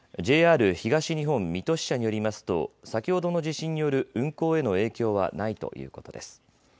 ＪＲ東日本水戸支社によりますと先ほどの地震による運行への影響はないということです。